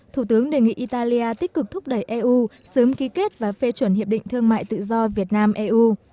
thủ tướng đề nghị italia tích cực thúc đẩy eu sớm ký kết và phê chuẩn hiệp định thương mại tự do việt nam eu